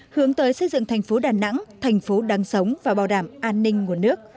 hướng tới xây dựng thành phố đà nẵng thành phố đáng sống và bảo đảm an ninh nguồn nước